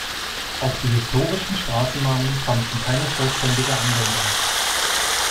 Auch die historischen Straßennamen fanden keine vollständige Anwendung.